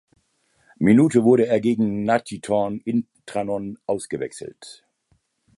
Minute wurde er gegen Natithorn Inntranon ausgewechselt.